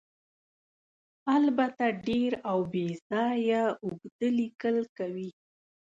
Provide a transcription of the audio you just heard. البته ډېر او بې ځایه اوږده لیکل کوي.